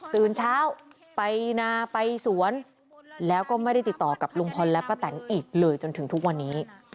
ตื่นเช้าไปนาไปสวนแล้วก็ไม่ได้ติดต่อกับลุงพลและป้าแตนอีกเลยจนถึงทุกวันนี้